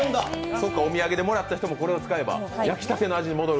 お土産でもらった人もこれを使えば焼きたての味に戻る。